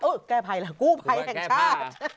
เอ้อแก้พายเหรอกู้ภัยแห่งชาติ